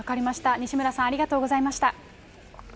西村さん、ありがとうございました。